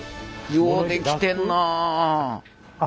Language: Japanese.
よう出来てんなあ。